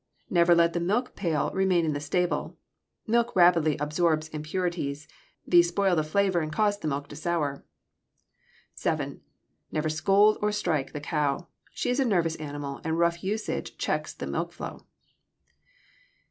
Never let the milk pail remain in the stable. Milk rapidly absorbs impurities. These spoil the flavor and cause the milk to sour. 7. Never scold or strike the cow. She is a nervous animal, and rough usage checks the milk flow.